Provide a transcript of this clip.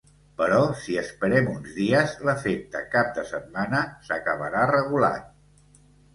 Però si esperem uns dies, l’efecte cap de setmana s’acabarà regulant.